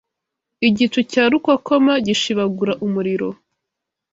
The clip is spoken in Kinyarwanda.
igicu cya rukokoma gishibagura umuriro